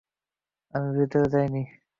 আমি ভেতরে যাইনি।